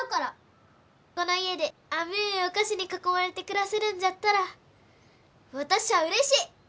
この家で甘えお菓子に囲まれて暮らせるんじゃったら私ゃあうれしい！